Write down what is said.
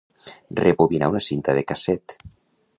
Rebobinar una cinta de casset.